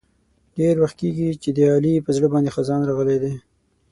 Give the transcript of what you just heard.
ډېر وخت کېږي چې د علي په زړه باندې خزان راغلی دی.